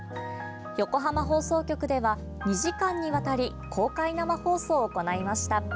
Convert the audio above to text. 横浜放送局では、２時間にわたり公開生放送を行いました。